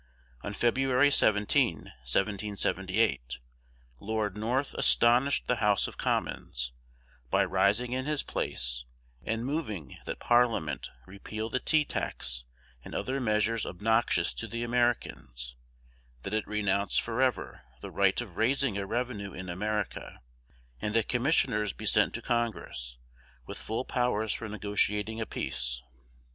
On February 17, 1778, Lord North astonished the House of Commons by rising in his place and moving that Parliament repeal the tea tax and other measures obnoxious to the Americans, that it renounce forever the right of raising a revenue in America, and that commissioners be sent to Congress, with full powers for negotiating a peace.